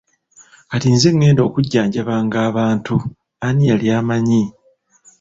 Kati nze ngenda okujjanjabanga abantu, ani yali amanyi!